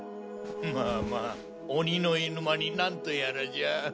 まあまあ鬼の居ぬ間になんとやらじゃ。